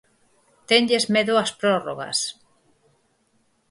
Tenlles medo ás prórrogas.